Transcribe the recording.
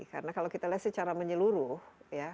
karena kalau kita lihat secara menyeluruh ya